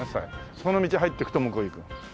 その道入っていくと向こう行く。